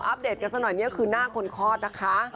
เดตกันสักหน่อยนี่คือหน้าคนคลอดนะคะ